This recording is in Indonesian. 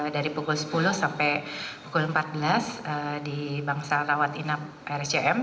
dari pukul sepuluh sampai pukul empat belas di bangsa rawat inap rscm